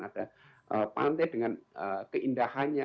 ada pantai dengan keindahannya